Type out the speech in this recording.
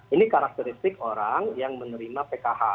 ini karakteristik orang yang menerima pkh